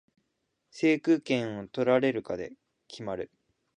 制空権を取れるかで決まる